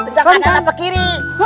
lencang kanan atau kiri